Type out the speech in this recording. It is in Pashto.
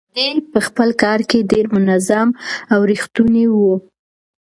دی په خپل کار کې ډېر منظم او ریښتونی و.